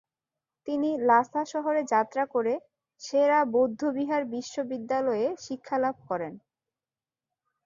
তিনি লাসা শহরে যাত্রা করে সে-রা বৌদ্ধবিহার বিশ্ববিদ্যালয়ে শিক্ষালাভ করেন।